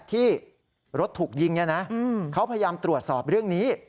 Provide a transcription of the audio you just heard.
ที่รถถูกยิงเนี่ยนะเขาพยายามตรวจสอบเรื่องนี้